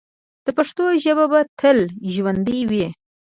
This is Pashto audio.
د پښتنو ژبه به تل ژوندی وي.